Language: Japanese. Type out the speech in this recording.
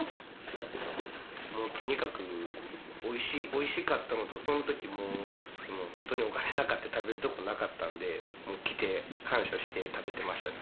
もうとにかくおいしかったのとその時もう本当にお金なくって食べる所なかったんでもう来て感謝して食べてましたね